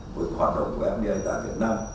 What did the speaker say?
với hoạt động của mda tại việt nam